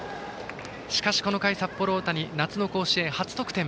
しかしこの回、札幌大谷夏の甲子園初得点。